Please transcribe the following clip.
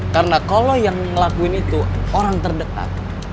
karena kalo yang ngelakuin itu orang terdekat